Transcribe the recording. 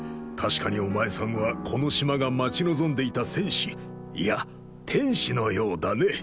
確かにお前さんはこの島が待ち望んでいた戦士いや天使のようだね。